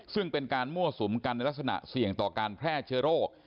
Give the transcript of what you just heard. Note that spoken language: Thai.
ซึ่งเป็นการมั่วสุมกันในลักษณะเสี่ยงต่อการแพร่เชื้อโรค